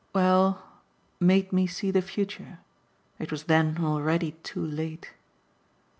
"Well, made me see the future. It was then already too late."